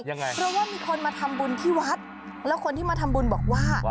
ยังไงเพราะว่ามีคนมาทำบุญที่วัดแล้วคนที่มาทำบุญบอกว่า